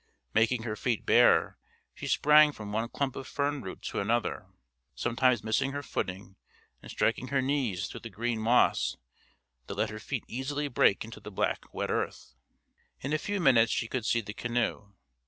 Making her feet bare, she sprang from one clump of fern root to another, sometimes missing her footing and striking to her knees through the green moss that let her feet easily break into the black wet earth. In a few minutes she could see the canoe.